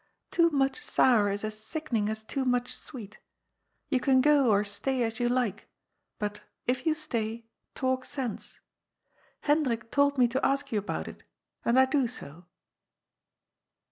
^' Too much sour is as sickening as too much sweet. You can go, or stay, as you like. But, if you stay, talk sense. Hendrik told me to ask you about it And I do so.'